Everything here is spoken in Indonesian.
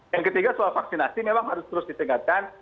yang ketiga soal vaksinasi memang harus terus ditingkatkan